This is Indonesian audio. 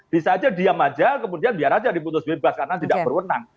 bisa aja diam aja kemudian biar aja diputus bebas karena tidak berwenang